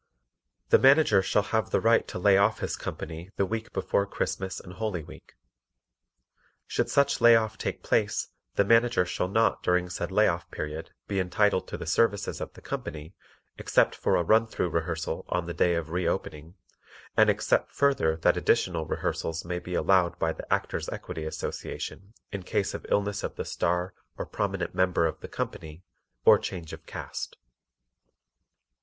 The Manager shall have the right to lay off his company the week before Christmas and Holy Week. Should such lay off take place the Manager shall not during said lay off period be entitled to the services of the company except for a run through rehearsal on the day of re opening, and except further that additional rehearsals may be allowed by the Actors' Equity Association in case of illness of the star or prominent member of the company or change of cast. 15.